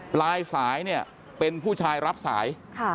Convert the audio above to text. ปลายสายเป็นผู้ชายรับสาย